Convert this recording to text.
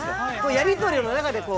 やり取りの中でこう。